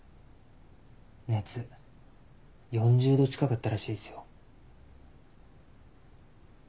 熱４０度近かったらしいっすよ。